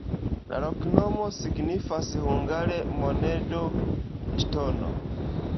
La loknomo signifas hungare: monedo-ŝtono.